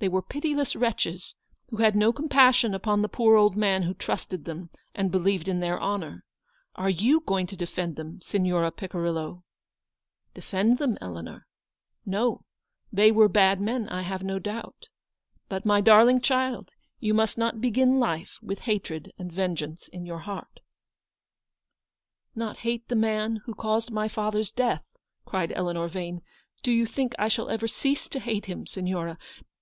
They were pitiless wretches, who had no compassion upon the poor old man who trusted them and believed in their honour. Are you going to defend them, Signora Picirillo ?"" Defend them, Eleanor ? no : they were bad men, I have no doubt. But, my darling child, vou must not besrin life with hatred and ven geance in your heart." 182 ELEANORS VICTORY. "Not hate the man who caused my father's death ?" cried Eleanor Vane. " Do you think I shall ever cease to hate him, Signora